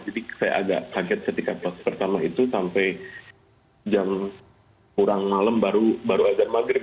jadi saya agak kaget setika pas pertama itu sampai jam kurang malam baru ajar maghrib